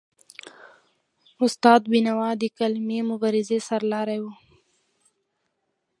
استاد بینوا د قلمي مبارزې سرلاری و.